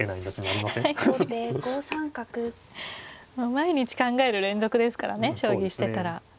毎日考える連続ですからね将棋してたら。